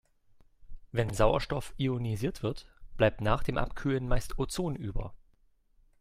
Wenn Sauerstoff ionisiert wird, bleibt nach dem Abkühlen meist Ozon über.